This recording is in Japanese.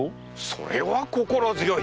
それは心強い！